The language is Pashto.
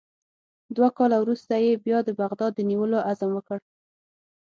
دوه کاله وروسته یې بیا د بغداد د نیولو عزم وکړ.